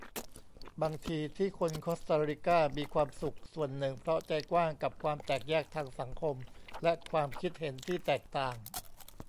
"บางทีที่คนคอสตาริกามีความสุข ส่วนหนึ่งเพราะ ใจกว้างกับความแตกแยกทางสังคมและความคิดเห็นที่แตกต่าง"